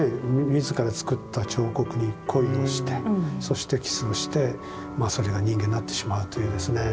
自ら作った彫刻に恋をしてそしてキスをしてそれが人間になってしまうというですね。